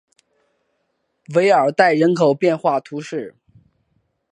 韦尔代人口变化图示